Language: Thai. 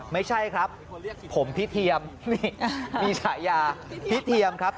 ไม่ใช่ครับผมพี่เทียมนี่มีฉายาพี่เทียมครับ